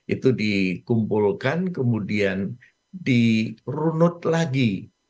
itu dikumpulkan kemudian di re note lagi